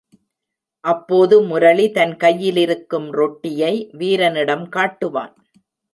அப்போது முரளி தன் கையிலிருக்கும் ரொட்டியை வீரனிடம் காட்டுவான்.